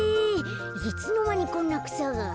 いつのまにこんなくさが？